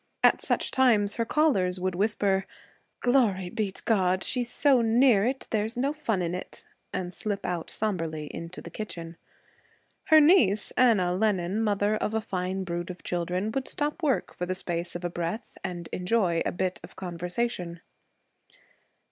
At such times, her callers would whisper: 'Glory b't' God! she's so near it there's no fun in it,' and slip out soberly into the kitchen. Her niece, Anna Lennan, mother of a fine brood of children, would stop work for the space of a breath and enjoy a bit of conversation.